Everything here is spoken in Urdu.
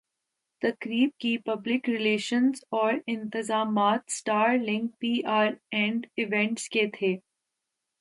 تقریب کی پبلک ریلشنزاورانتظامات سٹار لنک پی آر اینڈ ایونٹس کے تھے